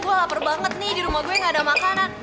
wah lapar banget nih di rumah gue gak ada makanan